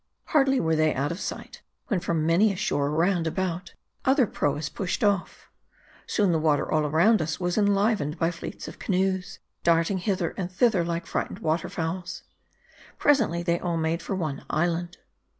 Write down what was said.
Hardly were they out of sight, when from many a shore roundabout, other proas pushed off. Soon the water all round us was enlivened by fleets of canoes, darting hither and thither like frighted water fowls. Presently they all made for one island.